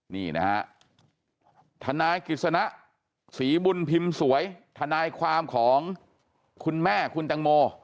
นี่นะฮะทนายกิจสนะศรีบุญพิมพ์สวยทนายความของคุณแม่คุณตังโม